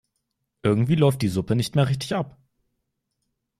Irgendwie läuft die Suppe nicht mehr richtig ab.